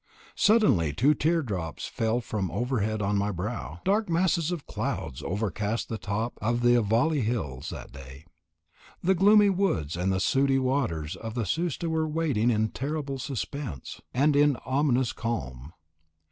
Suddenly two tear drops fell from overhead on my brow. Dark masses of clouds overcast the top of the Avalli hills that day. The gloomy woods and the sooty waters of the Susta were waiting in terrible suspense and in an ominous calm.